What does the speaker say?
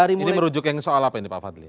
ini merujuk yang soal apa ini pak fadli